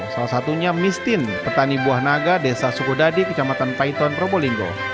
salah satunya mistin petani buah naga desa sukodadi kecamatan paiton probolinggo